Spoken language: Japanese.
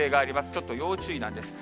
ちょっと要注意なんです。